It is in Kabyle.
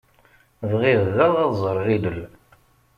Bɣiɣ daɣ ad ẓreɣ ilel.